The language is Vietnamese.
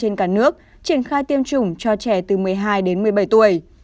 trên cả nước triển khai tiêm chủng cho trẻ từ một mươi hai đến một mươi bảy tuổi